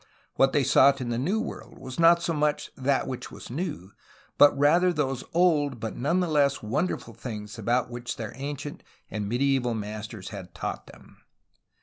What they sought in the New World was not so much that which was new, but rather those old but none the less wonderful things about which their an cient and medieval masters had taught them.